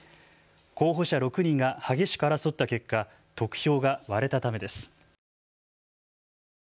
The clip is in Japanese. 候補者６人が激しく争った結果、得票が割れたためです。